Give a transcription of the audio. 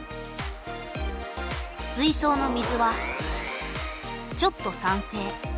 水そうの水はちょっと酸性。